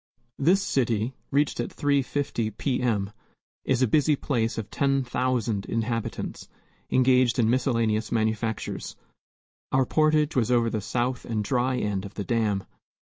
This city, reached at 3.50 P. M., is a busy place of ten thousand inhabitants, engaged in miscellaneous manufactures. Our portage was over the south and dry end of the dam.